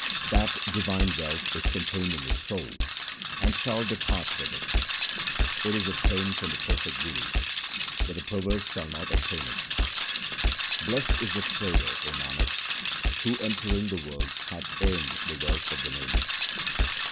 That divine wealth is contained in the soul and shall depart with it. It is obtained from the perfect Guru, but the perverse shall not obtain it. Blest is the trader, O Nanak, who entering the world hath earned the wealth of the Name.